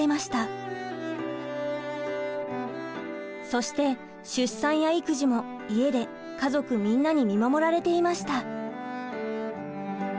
そして出産や育児も家で家族みんなに見守られていました。